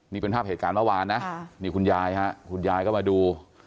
นี่เป็นภาพเหตุการณ์เมื่อวานนะนี่คุณยายฮะคุณยายก็มาดู